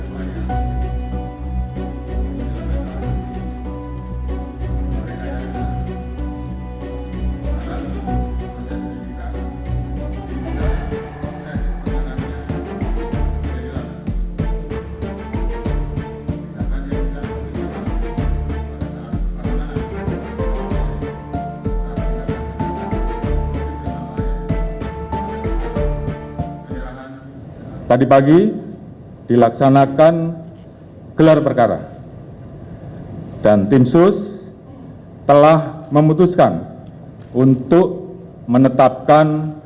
pada pagi dilaksanakan gelar perkara dan tim sus telah memutuskan untuk menetapkan